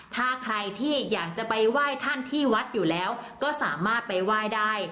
ถ้าใครที่อยากจะไปไหว้ท่านที่วัดอยู่แล้วก็สามารถไปไหว้ได้